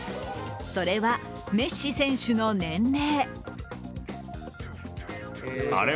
それはメッシ選手の年齢。